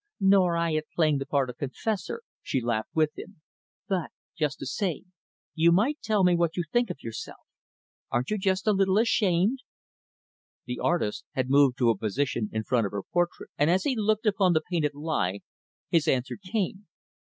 "Nor I at playing the part of confessor," she laughed with him. "But, just the same, you might tell me what you think of yourself. Aren't you just a little ashamed?" The artist had moved to a position in front of her portrait; and, as he looked upon the painted lie, his answer came.